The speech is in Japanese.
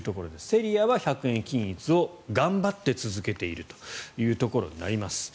セリアは１００円均一を頑張って続けているというところになります。